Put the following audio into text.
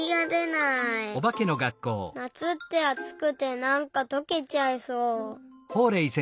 なつってあつくてなんかとけちゃいそう。